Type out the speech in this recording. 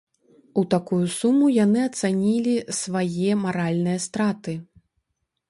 У такую суму яны ацанілі свае маральныя страты.